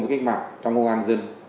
với cách mạng trong công an dân